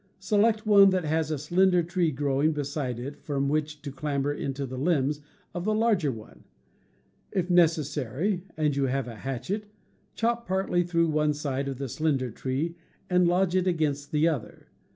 Select one that has a slender tree grow ing beside it from which to clamber into the limbs of the larger one. If necessary (and you have a hatchet) chop partly through one side of the slender tree and lodge it against the other.